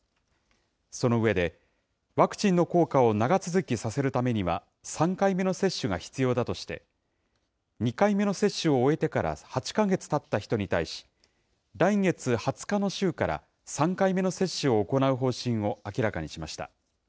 その上で、ワクチンの効果を長続きさせるためには３回目の接種が必要だとして、２回目の接種を終えてから８か月たった人に対し、来月２０日の週から、３回目の接種を行う方針を明らかにしました。